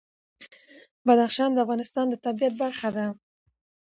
بدخشان د افغانستان د طبیعت برخه ده.